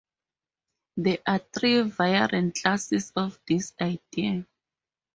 There are three variant classes of this idea.